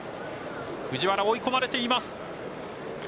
藤原、追い込まれています。